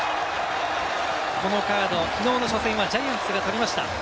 このカード、昨日の初戦はジャイアンツが取りました。